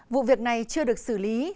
vụ việc này chưa được xử lý